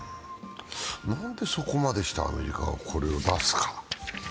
なんで、そこまでしてアメリカはこれを出すかな。